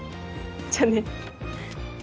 じゃあね。